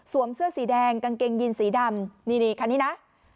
เสื้อสีแดงกางเกงยีนสีดำนี่คันนี้นะ